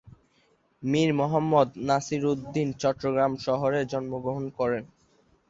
মীর মোহাম্মদ নাসিরুদ্দিন চট্টগ্রাম শহরে জন্মগ্রহণ করেন।